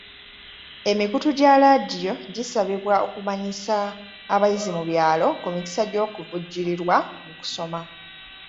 Emikutu gya laadiyo gisabibwa okumanyisa abayizi mu byalo ku mikisa gy'okuvujjirirwa mu kusoma.